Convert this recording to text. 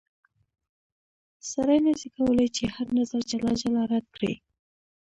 سړی نه سي کولای چې هر نظر جلا جلا رد کړي.